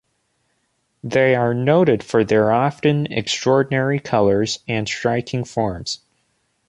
They are noted for their often extraordinary colours and striking forms.